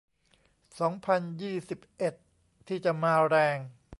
สองพันยี่สิบเอ็ด ที่จะมาแรง